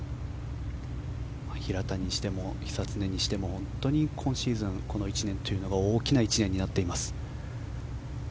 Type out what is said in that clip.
平田にしても久常にしても今シーズン、この１年は大きな１年になっています。